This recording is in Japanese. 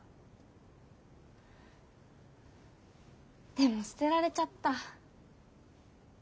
でも捨てられちゃった。